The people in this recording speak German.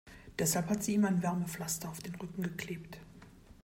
Deshalb hat sie ihm ein Wärmepflaster auf den Rücken geklebt.